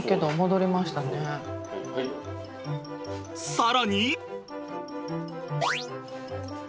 更に。